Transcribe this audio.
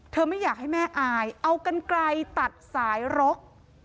ไม่อยากให้แม่อายเอากันไกลตัดสายรก